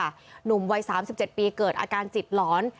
วันที่๓๗ปีเกิดอาการจิตหลอน